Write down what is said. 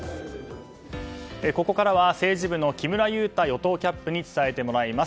ここからは政治部の木村祐太与党キャップに伝えてもらいます。